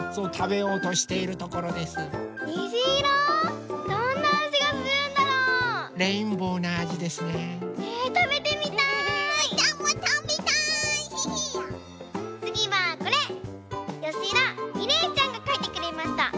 よしだみれいちゃんがかいてくれました。